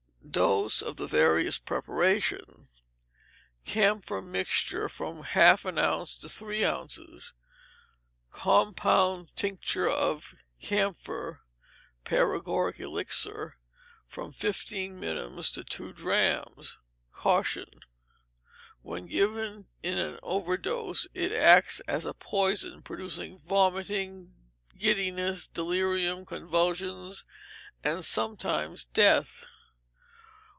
Doses of the various preparations. Camphor mixture, from half an ounce to three ounces; compound tincture of camphor (paregoric elixir), from fifteen minims to two drachms. Caution. When given in an overdose it acts as a poison, producing vomiting, giddiness, delirium, convulsions, and sometimes death.